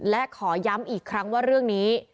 และขอย้ำอีกครั้งว่าเรื่องนี้